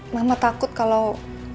mama takut kalau